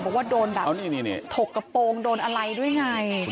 บอกว่าโดนแบบถกกระโปรงโดนอะไรด้วยไง